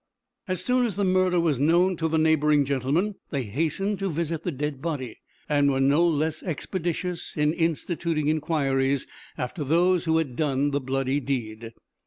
As soon as the murder was known to the neighboring gentlemen, they hastened to visit the dead body, and were no less expeditious in instituting inquiries after those who had done the bloody deed.